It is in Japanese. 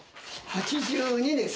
８２です。